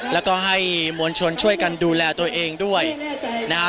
แล้วก็ให้มวลชนช่วยกันดูแลตัวเองด้วยนะฮะ